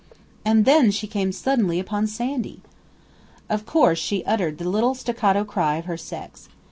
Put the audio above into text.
And then she came suddenly upon Sandy! Of course she uttered the little staccato cry of her sex.